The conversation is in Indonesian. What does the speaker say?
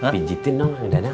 pijetin dong yang dadang